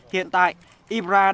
hiện tại ibrahimovic